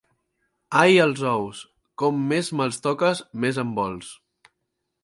Ai, els ous!, com més me'ls toques més em vols.